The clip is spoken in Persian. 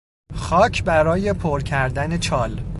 خاک برای پر کردن چال